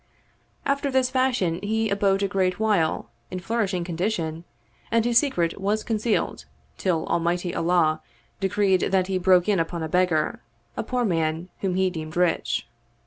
After this fashion he abode a great while, in flourishing condition, and his secret was concealed, till Almighty Allah decreed that he broke in upon a beggar, a poor man whom he deemed rich.